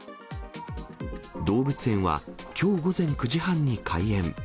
動物園はきょう午前９時半に開園。